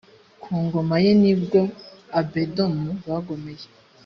ku ngoma ye ni bwo abedomu bagomeye